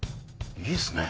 いいですね。